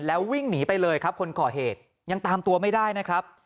แล้ววิ่งหนีไปเลยครับคนก่อเหตุยังตามตัวไม่ได้นะครับ